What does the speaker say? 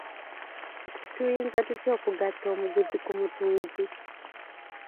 Tuyinza tutya okugatta omuguzi ku mutunzi?